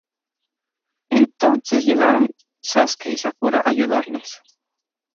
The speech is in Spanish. Entonces, llegaron Sasuke y Sakura a ayudarles.